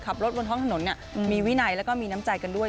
บนท้องถนนมีวินัยแล้วก็มีน้ำใจกันด้วย